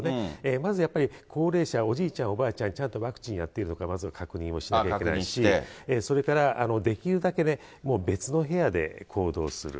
まずやっぱり、高齢者、おじいちゃん、おばあちゃん、ちゃんとワクチンやっているのかまず確認をしなきゃいけないし、それからできるだけもう別の部屋で行動する。